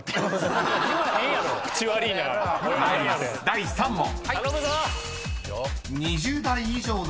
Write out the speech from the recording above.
第３問］